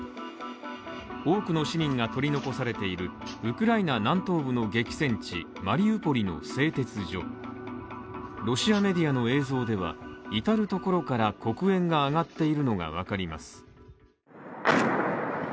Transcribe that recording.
多くの市民が取り残されているウクライナ南東部の激戦地マリウポリの製鉄所ロシアメディアの映像では、至るところから黒煙が上がっているのがわかります。